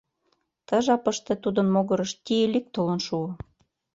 Ты жапыште тудын могырыш Тиилик толын шуо.